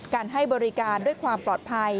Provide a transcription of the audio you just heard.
ให้บริการด้วยความปลอดภัย